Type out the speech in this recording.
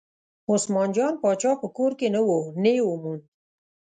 عثمان جان پاچا په کور کې نه و نه یې وموند.